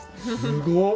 すごっ！